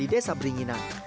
di desa meringinan